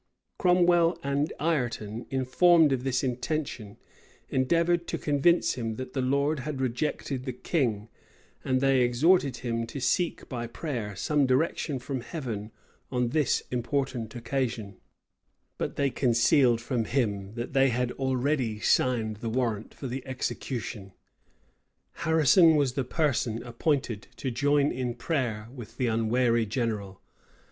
Cromwell and Ireton, informed of this intention, endeavored to convince him that the Lord had rejected the king; and they exhorted him to seek by prayer some direction from Heaven on this important occasion: but they concealed from him that they had already signed the warrant for the execution. Harrison was the person appointed to join in prayer with the unwary general.